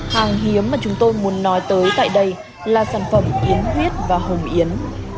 hàng hiếm mà chúng tôi muốn nói tới tại đây là sản phẩm yến huyết và hồng yến